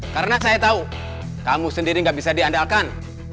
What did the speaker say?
karena saya tahu kamu sendiri gak bisa diandalkan